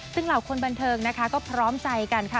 ซึ่งเหล่าคนบันเทิงนะคะก็พร้อมใจกันค่ะ